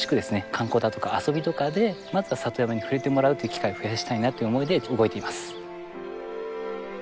観光だとか遊びとかでまずは里山にふれてもらうという機会を増やしたいなという思いで動いています。